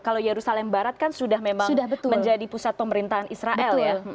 kalau yerusalem barat kan sudah memang menjadi pusat pemerintahan israel ya